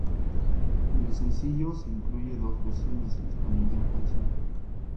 En el sencillo se incluyen dos versiones en español de la canción.